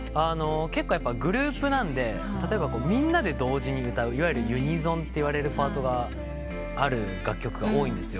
グループなんでみんなで同時に歌ういわゆるユニゾンっていわれるパートがある楽曲が多いんです。